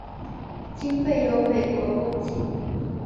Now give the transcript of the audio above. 经费由美国供给。